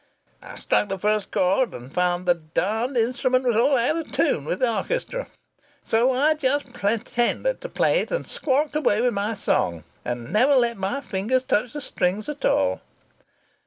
I struck the first chord, and found the darned instrument was all out of tune with the orchestra. So I just pretended to play it, and squawked away with my song, and never let my fingers touch the strings at all.